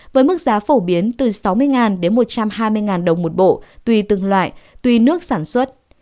với mức giá phổ biến từ sáu mươi đến một trăm hai mươi đồng một bộ tùy từng loại tùy nước sản xuất